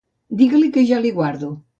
Digue-li que ja li guardo.